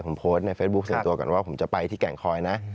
ผมโพสต์ในเฟซบุ๊คส่วนตัวก่อนว่าผมจะไปที่แก่งคอยนะ